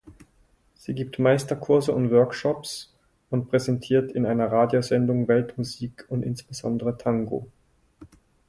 Sie gibt Meisterkurse und Workshops und präsentiert in einer Radiosendung Weltmusik und insbesondere Tango.